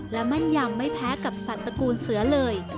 และแม่นยำไม่แพ้กับสัตว์ตระกูลเสือเลย